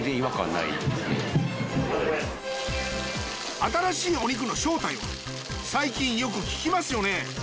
新しいお肉の正体は最近よく聞きますよね。